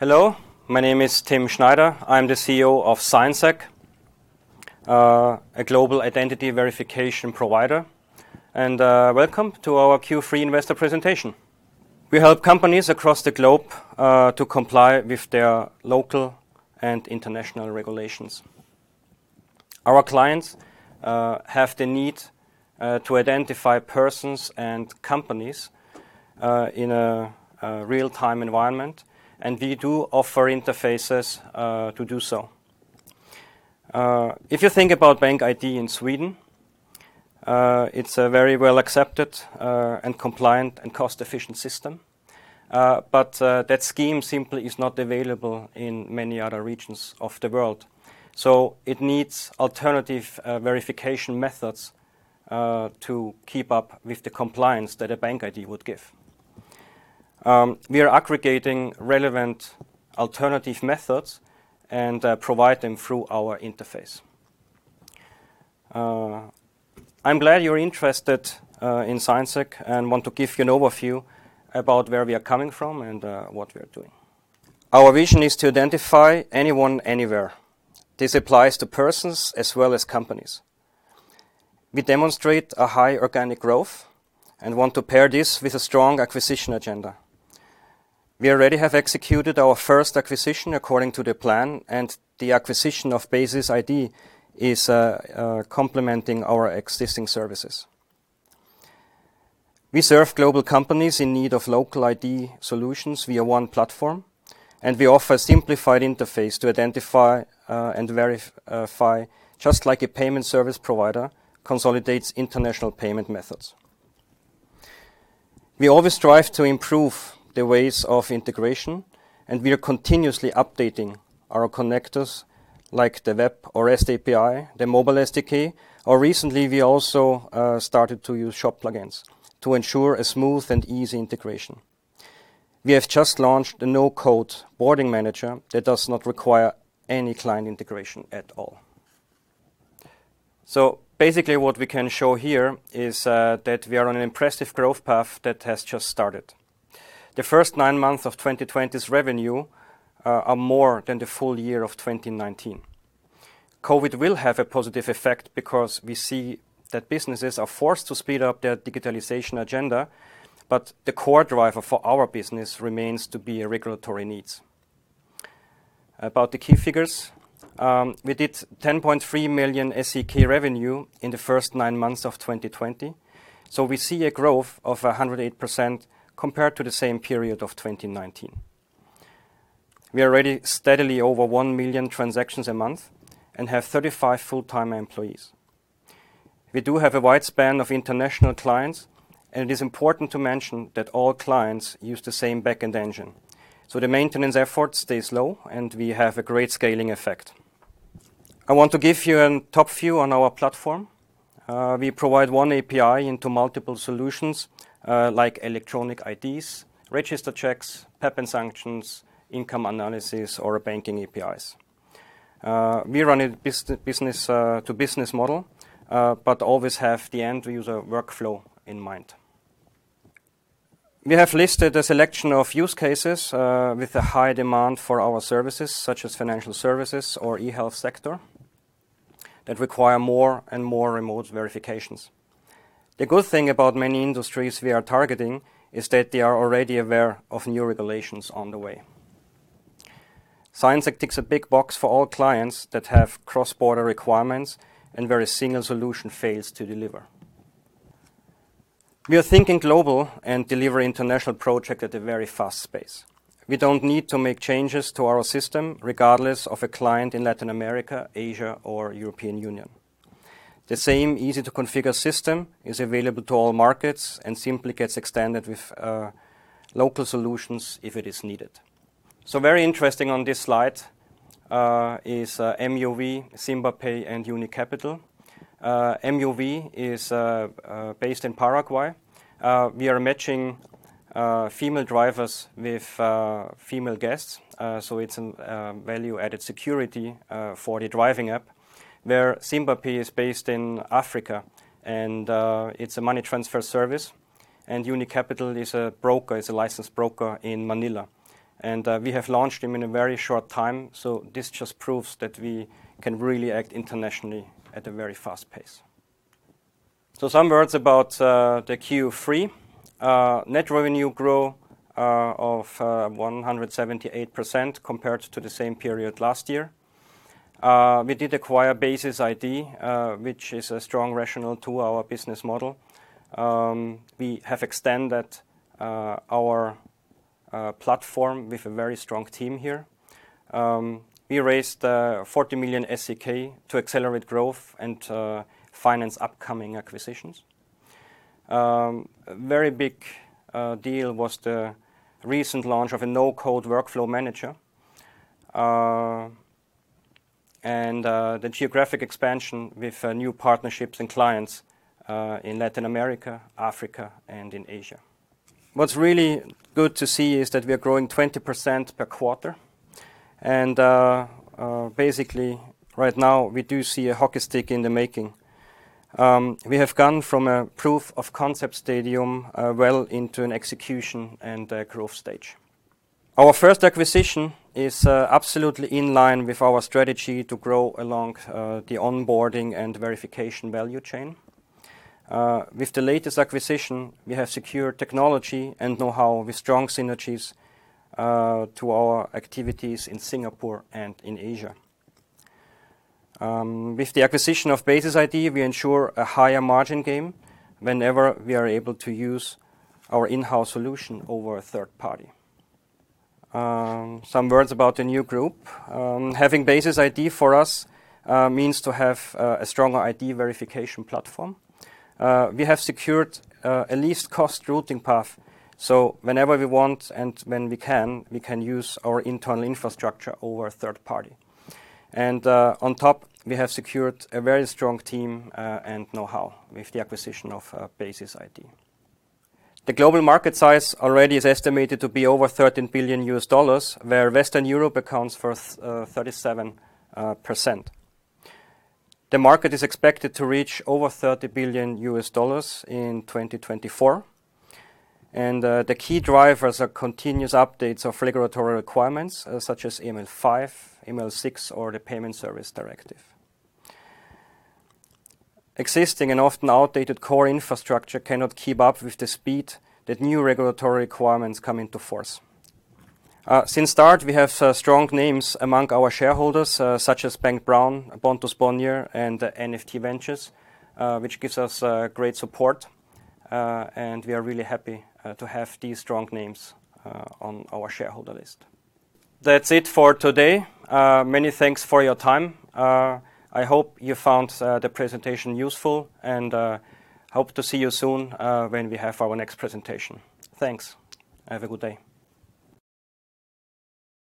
Hello, my name is Timm Schneider. I'm the CEO of ZignSec, a global identity verification provider. Welcome to our Q3 investor presentation. We help companies across the globe to comply with their local and international regulations. Our clients have the need to identify persons and companies in a real-time environment, and we do offer interfaces to do so. If you think about BankID in Sweden, it's a very well-accepted and compliant and cost-efficient system. That scheme simply is not available in many other regions of the world. It needs alternative verification methods to keep up with the compliance that a BankID would give. We are aggregating relevant alternative methods and provide them through our interface. I'm glad you're interested in ZignSec and want to give you an overview about where we are coming from and what we are doing. Our vision is to identify anyone, anywhere. This applies to persons as well as companies. We demonstrate a high organic growth and want to pair this with a strong acquisition agenda. We already have executed our first acquisition according to the plan. The acquisition of BasisID is complementing our existing services. We serve global companies in need of local ID solutions via one platform. We offer simplified interface to identify and verify, just like a payment service provider consolidates international payment methods. We always strive to improve the ways of integration. We are continuously updating our connectors, like the Web API or REST API, the mobile SDK, or recently, we also started to use shop plugins to ensure a smooth and easy integration. We have just launched a no-code onboarding manager that does not require any client integration at all. Basically what we can show here is that we are on an impressive growth path that has just started. The first nine months of 2020's revenue are more than the full year of 2019. COVID will have a positive effect because we see that businesses are forced to speed up their digitalization agenda. The core driver for our business remains to be regulatory needs. About the key figures, we did 10.3 million SEK revenue in the first nine months of 2020. We see a growth of 108% compared to the same period of 2019. We are already steadily over 1 million transactions a month and have 35 full-time employees. We do have a wide span of international clients, and it is important to mention that all clients use the same backend engine, so the maintenance effort stays low and we have a great scaling effect. I want to give you a top view on our platform. We provide one API into multiple solutions, like electronic IDs, register checks, PEP and sanctions, income analysis, or banking APIs. We run a business-to-business model, but always have the end-user workflow in mind. We have listed a selection of use cases with a high demand for our services, such as financial services or e-health sector, that require more and more remote verifications. The good thing about many industries we are targeting is that they are already aware of new regulations on the way. ZignSec ticks a big box for all clients that have cross-border requirements and where a single solution fails to deliver. We are thinking global and delivering international projects at a very fast pace. We don't need to make changes to our system regardless of a client in Latin America, Asia, or European Union. The same easy-to-configure system is available to all markets and simply gets extended with local solutions if it is needed. Very interesting on this slide is MUV, SimbaPay, and Unicapital. MUV is based in Paraguay. We are matching female drivers with female guests, so it's a value-added security for the driving app. SimbaPay is based in Africa, and it's a money transfer service. Unicapital is a licensed broker in Manila. We have launched them in a very short time, so this just proves that we can really act internationally at a very fast pace. Some words about the Q3. Net revenue growth of 178% compared to the same period last year. We did acquire BasisID, which is a strong rationale to our business model. We have extended our platform with a very strong team here. We raised 40 million SEK to accelerate growth and to finance upcoming acquisitions. Very big deal was the recent launch of a no-code workflow manager, and the geographic expansion with new partnerships and clients in Latin America, Africa, and in Asia. What's really good to see is that we are growing 20% per quarter. Basically, right now, we do see a hockey stick in the making. We have gone from a proof of concept stadium well into an execution and growth stage. Our first acquisition is absolutely in line with our strategy to grow along the onboarding and verification value chain. With the latest acquisition, we have secured technology and know-how with strong synergies to our activities in Singapore and in Asia. With the acquisition of BasisID, we ensure a higher margin game whenever we are able to use our in-house solution over a third party. Some words about the new group. Having BasisID for us means to have a stronger ID verification platform. We have secured a least cost routing path, so whenever we want and when we can, we can use our internal infrastructure over a third party. On top, we have secured a very strong team and know-how with the acquisition of BasisID. The global market size already is estimated to be over $13 billion, where Western Europe accounts for 37%. The market is expected to reach over $30 billion in 2024. The key drivers are continuous updates of regulatory requirements such as AML5, AML6, or the Payment Services Directive. Existing and often outdated core infrastructure cannot keep up with the speed that new regulatory requirements come into force. Since start, we have strong names among our shareholders, such as Per Bergman, Pontus Bonnier, and NFT Ventures, which gives us great support. We are really happy to have these strong names on our shareholder list. That's it for today. Many thanks for your time. I hope you found the presentation useful and hope to see you soon when we have our next presentation. Thanks. Have a good day.